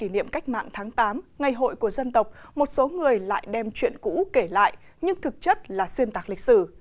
ngày hội của dân tộc một số người lại đem chuyện cũ kể lại nhưng thực chất là xuyên tạc lịch sử